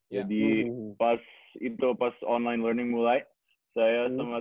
jadi pas itu pas online learning mulai saya sama teman teman saya saya berdua kita